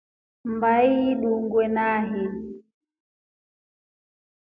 Mmbahii indungue nai.